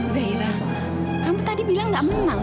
zaira kamu tadi bilang gak menang